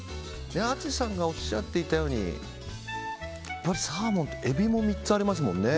淳さんがおっしゃっていたようにやっぱり、サーモンとえびも３つありますもんね。